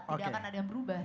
tidak akan ada yang berubah